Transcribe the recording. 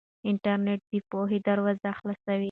انټرنيټ د پوهې دروازې خلاصوي.